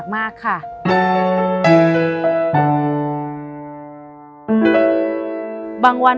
คุณฝนจากชายบรรยาย